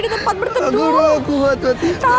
tahan sebentar lagi pak